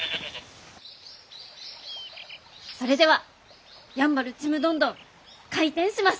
それではやんばるちむどんどん開店します！